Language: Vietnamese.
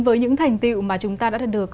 với những thành tiệu mà chúng ta đã được